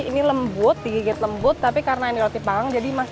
ini lembut digigit lembut tapi karena ini roti panggang